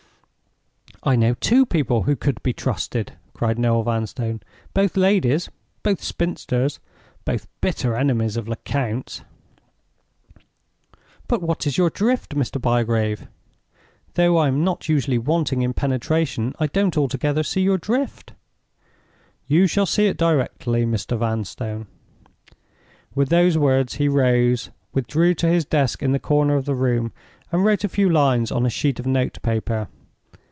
"I know two people who could be trusted!" cried Noel Vanstone. "Both ladies—both spinsters—both bitter enemies of Lecount's. But what is your drift, Mr. Bygrave? Though I am not usually wanting in penetration, I don't altogether see your drift." "You shall see it directly, Mr. Vanstone." With those words he rose, withdrew to his desk in the corner of the room, and wrote a few lines on a sheet of note paper.